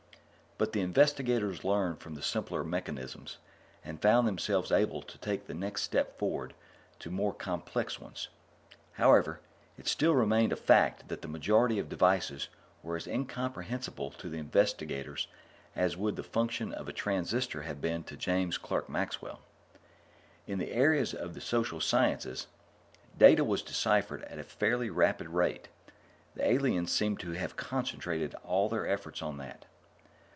But the investigators learned from the simpler mechanisms, and found themselves able to take the next step forward to more complex ones. However, it still remained a fact that the majority of the devices were as incomprehensible to the investigators as would the function of a transistor have been to James Clerk Maxwell. In the areas of the social sciences, data was deciphered at a fairly rapid rate; the aliens seemed to have concentrated all their efforts on that.